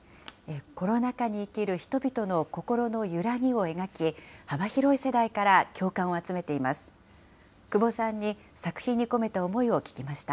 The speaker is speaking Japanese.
コロナ禍に生きる人々の心の揺らぎを描き、幅広い世代から共感を集めています。